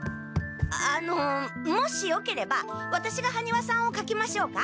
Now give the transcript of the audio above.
あのもしよければワタシが羽丹羽さんをかきましょうか？